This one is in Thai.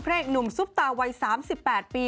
เอกหนุ่มซุปตาวัย๓๘ปี